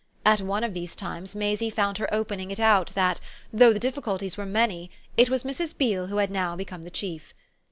At one of these times Maisie found her opening it out that, though the difficulties were many, it was Mrs. Beale who had now become the chief.